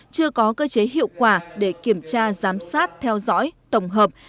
chưa có cơ chế hiệu quả để kiểm tra giám sát theo dõi tổng hợp